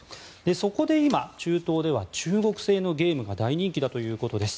そこで今、中東では中国製のゲームが大人気だということです。